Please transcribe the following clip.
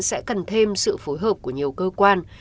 sẽ cần thêm sự phối hợp của nhiều cơ quan